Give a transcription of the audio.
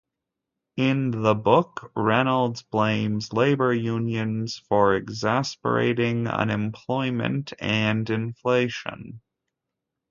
In the book, Reynolds blames labor unions for exacerbating unemployment and inflation.